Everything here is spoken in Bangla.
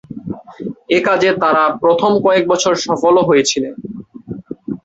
এ কাজে তাঁরা প্রথম কয়েক বছর সফলও হয়েছিলেন।